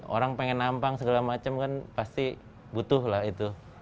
orang pengen nampang segala macam kan pasti butuh lah itu